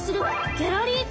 ギャラリー展？